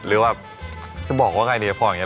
หรือว่าจะบอกว่าใกล้เดี๋ยวพออย่างนี้